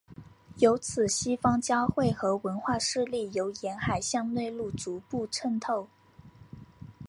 由此西方教会和文化势力由沿海向内陆逐步渗透。